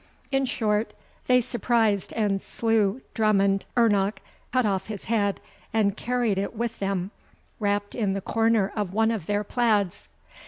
In short, they surprised and slew Drummond ernoch, cut off his head, and carried it with them, wrapt in the corner of one of their plaids.